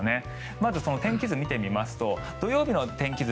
まず天気図を見てみますと土曜日の天気図